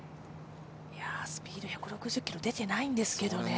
スピード、１６０キロ出ていないんですけどね